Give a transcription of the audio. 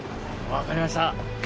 わかりました。